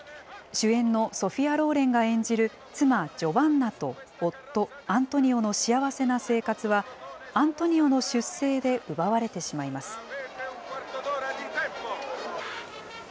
主演のソフィア・ローレンが演じる妻、ジョバンナと、夫、アントニオの幸せな生活は、アントニオの出征で奪われてしまいます。